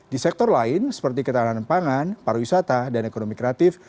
di sektor lain seperti ketahanan pangan pariwisata dan ekonomi kreatif